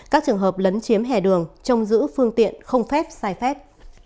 các trường hợp lấn chiếm hẻ đường trông giữ phương tiện không phép sai phép